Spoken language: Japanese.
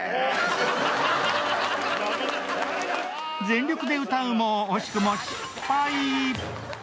全力で歌うも、惜しくも失敗。